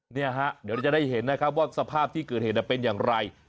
เนี่ยฮะเดี๋ยวเราจะได้เห็นนะครับว่าสภาพที่เกิดเหตุเป็นอย่างไร